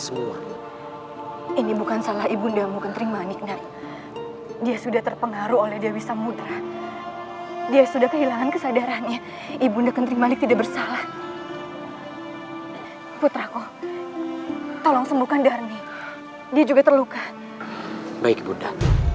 sampai jumpa di video selanjutnya